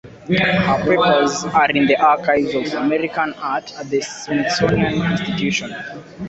Her papers are in the Archives of American Art at the Smithsonian Institution.